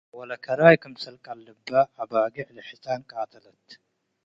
ወለከራይ ክምሰል ቀልበ አባጌዕ ለሕጻን ቃተለት።